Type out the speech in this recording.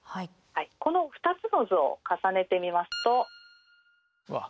この２つの図を重ねてみますと。